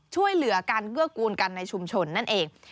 ช่วยเหลือการเกื้อกูลกันในชุมชนนั่นเอง